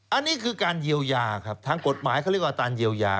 อันนี้คือการเยียวยาครับทางกฎหมายเขาเรียกว่าการเยียวยา